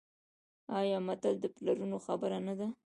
آیا متل د پلرونو خبره نه ده؟